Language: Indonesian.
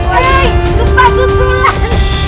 hei sumpah kusulat